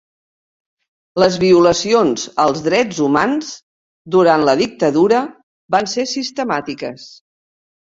Les violacions als drets humans durant la dictadura van ser sistemàtiques.